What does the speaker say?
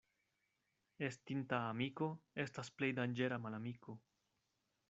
Estinta amiko estas plej danĝera malamiko.